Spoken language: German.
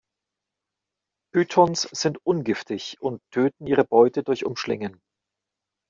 Pythons sind ungiftig und töten ihre Beute durch Umschlingen.